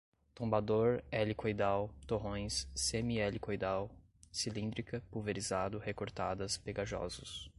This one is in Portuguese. tombador, helicoidal, torrões, semi-helicoidal, cilíndrica, pulverizado, recortadas, pegajosos